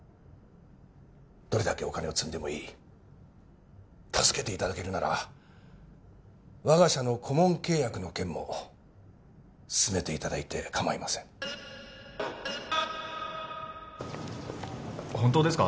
どれだけお金を積んでもいい助けていただけるなら我が社の顧問契約の件も進めていただいて構いません本当ですか？